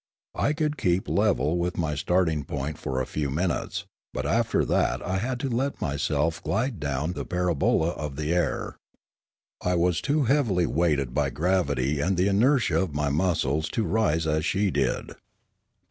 I could keep level with my starting point for a few minutes, but after that I had to let myself glide down the parabola of the air. I was too heavily weighted by gravity and the inertia of my muscles to rise as she did.